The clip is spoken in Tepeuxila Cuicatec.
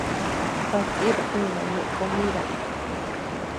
Gua chid jima ñeʼe komida.